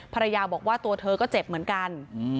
ภรรยาบอกว่าตัวเธอก็เจ็บเหมือนกัน